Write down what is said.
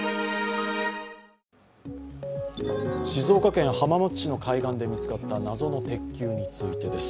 静岡県浜松市の海岸で見つかった謎の鉄球についてです。